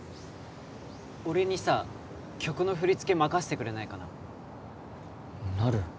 俺にさ曲の振り付け任せてくれないかななる